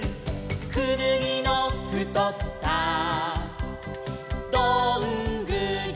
「くぬぎのふとったどんぐりは」